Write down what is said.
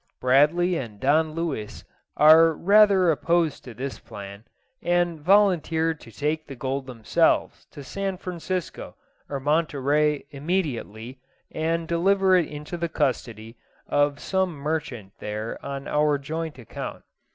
Bradley and Don Luis are rather opposed to this plan, and volunteer to take the gold themselves to San Francisco or Monterey immediately, and deliver it into the custody of some merchant there on our joint account.